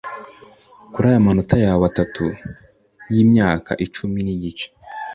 Kuri aya manota yawe atatu yimyaka icumi nigice